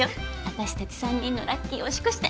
私たち３人のラッキーを祝して！